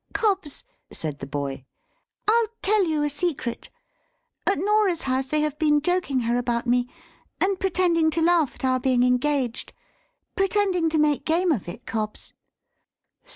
"Cobbs," said the boy, "I'll tell you a secret. At Norah's house, they have been joking her about me, and pretending to laugh at our being engaged, pretending to make game of it, Cobbs!"